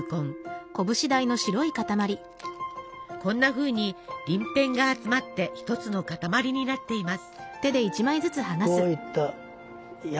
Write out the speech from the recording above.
こんなふうに鱗片が集まって１つの塊になっています。